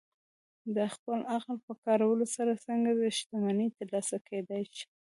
د خپل عقل په کارولو سره څنګه شتمني ترلاسه کېدای شي؟